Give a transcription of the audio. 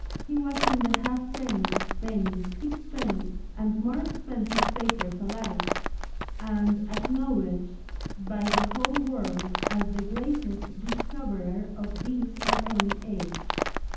He was in the halfpenny, penny, six penny, and more expensive papers alike, and acknowledged by the whole world as "the Greatest Discoverer of This or Any Age."